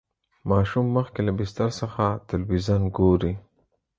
ماشوم مخکې له بستر څخه تلویزیون ګوري.